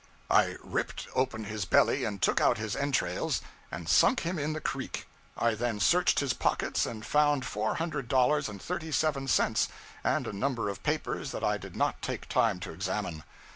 I ripped open his belly and took out his entrails, and sunk him in the creek. I then searched his pockets, and found four hundred dollars and thirty seven cents, and a number of papers that I did not take time to examine.